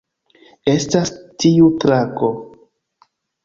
Estas tiu drako